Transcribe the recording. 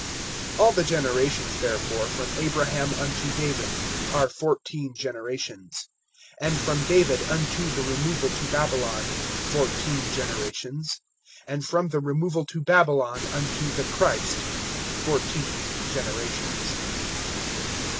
(17)All the generations, therefore, from Abraham unto David are fourteen generations; and from David unto the removal to Babylon, fourteen generations; and from the removal to Babylon unto the Christ, fourteen generations.